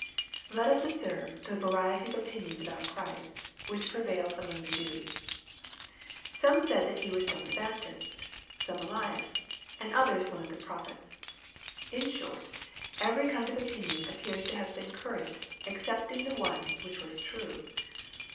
Let us observe the variety of opinions about Christ, which prevailed among the Jews. Some said that He was John the Baptist some Elias and others one of the prophets. In short every kind of opinion appears to have been current, excepting that one which was true.